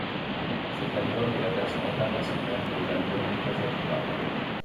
Cet album est la version internationale de l'album Casanova.